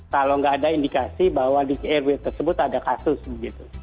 kalau nggak ada indikasi bahwa di rw tersebut ada kasus begitu